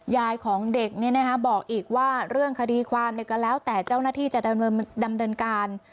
ยายของเด็กบอกอีกว่าเรื่องคดีความก็แล้วแต่เจ้าหน้าที่จะดำเนินการ